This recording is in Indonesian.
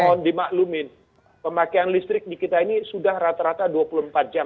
mohon dimaklumin pemakaian listrik di kita ini sudah rata rata dua puluh empat jam